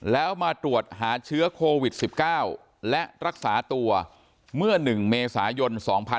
แล้วมาตรวจหาเชื้อโควิด๑๙และรักษาตัวเมื่อ๑เมษายน๒๕๖๒